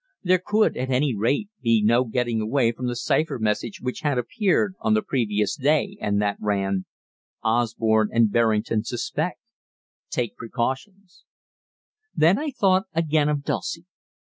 There could, at any rate, be no getting away from the cypher message which had appeared on the previous day and that ran: "Osborne and Berrington suspect. Take precautions" Then I thought again of Dulcie.